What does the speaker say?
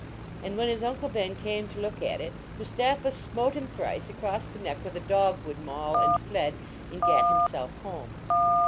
And when his Uncle Ben came to look at it Mustapha smote him thrice across the neck with a dog wood maul and fled, and gat him self home.